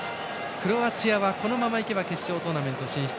クロアチアは、このままいけば決勝トーナメント進出。